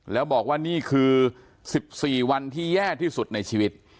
แล้วบอกว่านี่คือ๑๔วันที่แย่ที่สุดในชีวิต